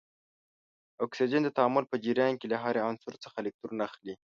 اکسیجن د تعامل په جریان کې له هر عنصر څخه الکترون اخلي.